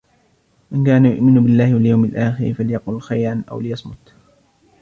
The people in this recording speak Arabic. مَنْ كَانَ يُؤْمِنُ بِاللهِ وَالْيَوْمِ الآخِرِ فَلْيَقُلْ خَيْرًا أَوْ لِيَصْمُتْ،